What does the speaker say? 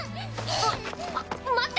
あっ。